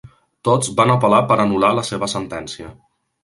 Tots van apel·lar per anul·lar la seva sentència.